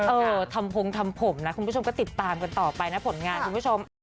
เออทำพงทำผมนะคุณผู้ชมก็ติดตามกันต่อไปนะผลงานคุณผู้ชม